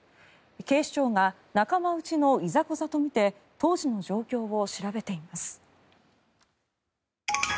警視庁が仲間内のいざこざとみて当時の状況を調べています。